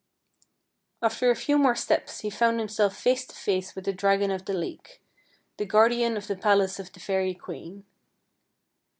After a few more steps he found himself face to T1IE HOUSE IN THE LAKE 31 face with the dragon of the lake, the guardian of the palace of the fairy queen.